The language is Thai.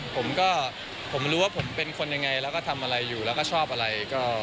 ผมก็ผมรู้ว่าผมเป็นคนยังไงแล้วก็ทำอะไรอยู่แล้วก็ชอบอะไร